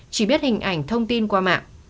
chỉ biết hình ảnh thông tin qua mạng